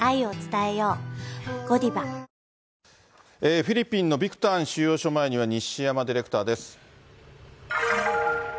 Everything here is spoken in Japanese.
フィリピンのビクタン収容所前には西山ディレクターです。